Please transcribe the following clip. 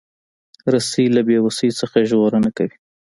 رسۍ له بیوسۍ نه ژغورنه کوي.